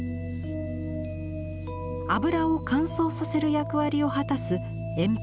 油を乾燥させる役割を果たす鉛白。